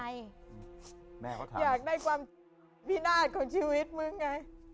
อยากได้ความพินาศของชีวิตมึงไง